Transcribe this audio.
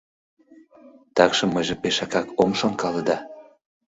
— Такшым мыйже пешакак ом шонкале да...